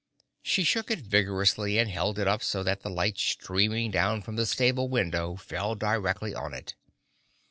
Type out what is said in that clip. She shook it vigorously and held it up so that the light streaming down from the stable window fell directly on it.